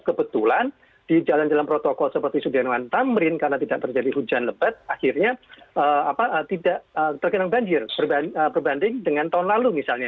kebetulan di jalan jalan protokol seperti sudirman tamrin karena tidak terjadi hujan lebat akhirnya tidak terkenang banjir berbanding dengan tahun lalu misalnya